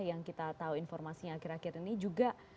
yang kita tahu informasinya akhir akhir ini juga